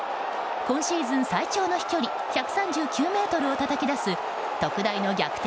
今シーズン最長の飛距離１３９ｍをたたき出す特大の逆転